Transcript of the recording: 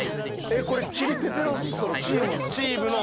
えっこれチリ・ペペロッソのチームの？